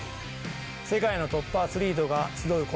世界のトップアスリートが集うこの大会。